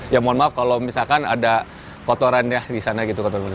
ya mohon maaf kalau misalkan ada kotorannya di sana gitu